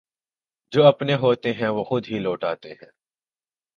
جواپنے ہوتے ہیں وہ خودہی لوٹ آتے ہیں